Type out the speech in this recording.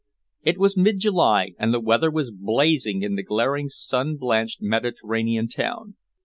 It was in mid July, and the weather was blazing in the glaring sun blanched Mediterranean town.